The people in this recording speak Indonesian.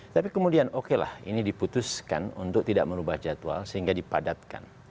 tapi kemudian okelah ini diputuskan untuk tidak merubah jadwal sehingga dipadatkan